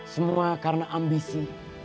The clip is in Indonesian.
semua karena ambisi